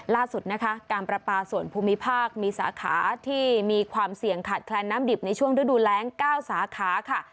ล่าสุดนะคะการประปาส่วนภูมิภาคมีสาขาที่มีความเสี่ยงขาดแคลนน้ำดิบในช่วงฤดูแรง๙สาขาค่ะ